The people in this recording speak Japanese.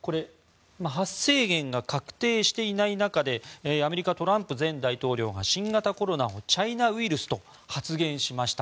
発生源が確定していない中でアメリカ、トランプ前大統領が新型コロナをチャイナウイルスと発言しました。